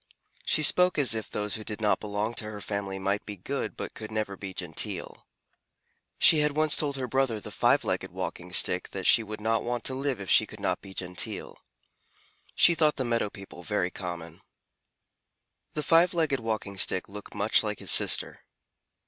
She spoke as if those who did not belong to her family might be good but could never be genteel. She had once told her brother, the Five Legged Walking Stick, that she would not want to live if she could not be genteel. She thought the meadow people very common. The Five Legged Walking Stick looked much like his sister.